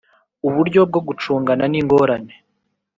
Uburyo bwo gucungana n ingorane